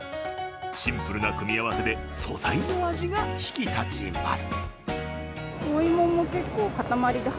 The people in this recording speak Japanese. シンプルな組み合わせで素材の味が引き立ちます。